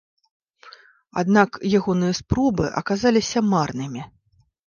Аднак, ягоныя спробы аказаліся марнымі.